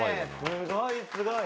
すごいすごい！